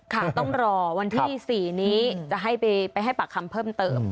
ค่ะต้องรอวันที่๔นี้จะให้ไปให้ปากคำเพิ่มเติม